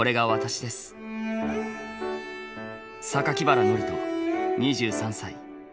原憲人２３歳。